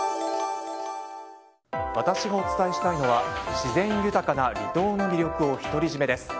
私がお伝えしたいのは自然豊かな離島の魅力を独り占めです。